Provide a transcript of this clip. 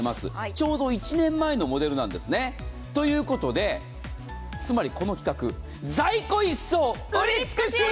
ちょうど１年前のモデルなんですねということで、つまり、この企画、在庫一掃売り尽くし！